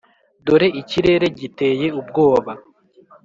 dore ikirere giteye ubwoba.